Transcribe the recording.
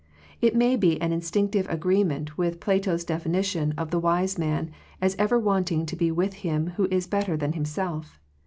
It may be an instinctive agree | ment with Plato's definition of the wise man, as ever wanting to be with him who is better than himself.